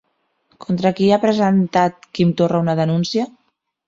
Contra qui ha presentat Quim Torra una denúncia?